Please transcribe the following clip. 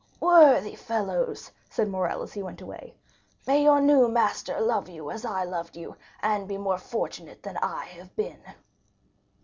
"Worthy fellows!" said Morrel, as he went away, "may your new master love you as I loved you, and be more fortunate than I have been!"